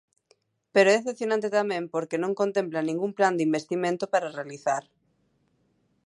Pero é decepcionante tamén porque non contempla ningún plan de investimento para realizar.